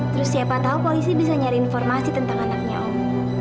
terus siapa tahu polisi bisa nyari informasi tentang anaknya om